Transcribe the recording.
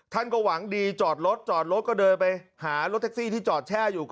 ท่านก็หวังดีจอดรถจอดรถก็เดินไปหารถแท็กซี่ที่จอดแช่อยู่